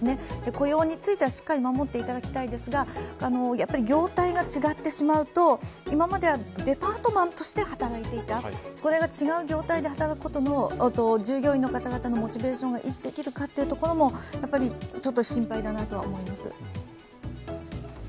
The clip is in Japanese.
雇用についてはしっかり守っていただきたいですが、業態が変わってしまうと今まではデパートでの業態で働いていたこれが違う業態で働くことで、従業員の方のモチベーションが維持できるか、ちょっと心配なところであります。